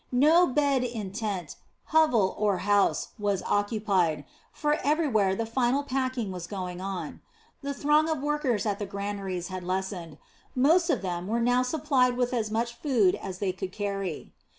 No bed in tent, hovel, or house was occupied; for everywhere the final packing was going on. The throng of workers at the granaries had lessened; most of them were now supplied with as much food as they could carry.